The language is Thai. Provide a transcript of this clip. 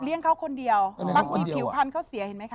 เลี้ยงเขาคนเดียวบางทีผิวพันเขาเสียเห็นไหมคะ